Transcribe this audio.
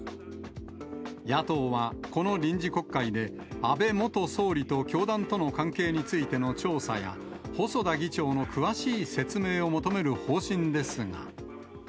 野党は、この臨時国会で安倍元総理と教団との関係についての調査や、細田議長の詳しい説明を求める方針ですが。